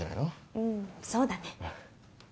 うんそうだね。